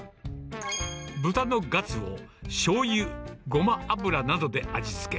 豚のガツをしょうゆ、ごま油などで味付け。